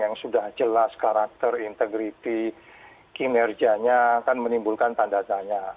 yang sudah jelas karakter integriti kinerjanya kan menimbulkan tanda tanya